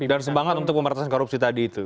dan semangat untuk pemerintahan korupsi tadi itu